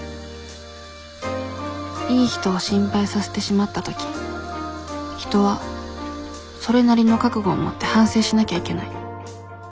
いい人を心配させてしまった時人はそれなりの覚悟をもって反省しなきゃいけない